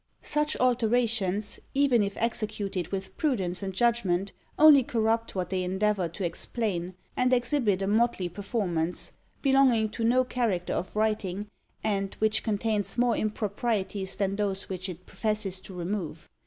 "Such alterations, even if executed with prudence and judgment, only corrupt what they endeavour to explain; and exhibit a motley performance, belonging to no character of writing, and which contains more improprieties than those which it professes to remove."